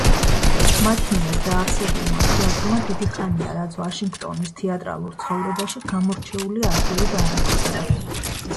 მათ მიერ დაარსებულმა თეატრმა დიდი ხანია, რაც ვაშინგტონის თეატრალურ ცხოვრებაში გამორჩეული ადგილი დაიმკვიდრა.